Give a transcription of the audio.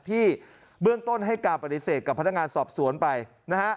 ที่เบื้องต้นให้การปฏิเสธกับพนักงานสอบสวนไปนะฮะ